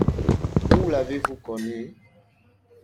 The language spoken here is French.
Où l’avez-vous connue ?